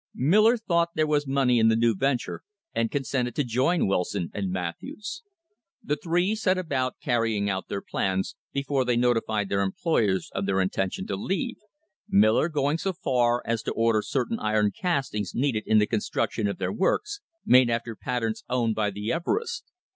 Miller thought there was money in the new venture, and consented to join Wilson and Matthews. The three set about carrying out their plans before they notified their employers of their intention to leave Miller going so far as to order certain iron castings needed in the construction of their works, made after patterns owned by the Everests.